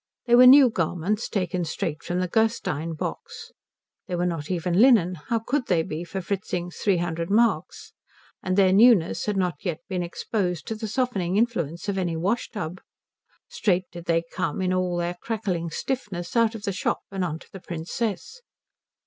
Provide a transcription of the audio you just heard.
They were new garments taken straight from the Gerstein box. They were not even linen, how could they be for Fritzing's three hundred marks? And their newness had not yet been exposed to the softening influence of any wash tub. Straight did they come, in all their crackling stiffness, out of the shop and on to the Princess.